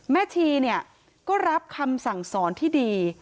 แม่ชีรับคำสั่งสอนที่ดี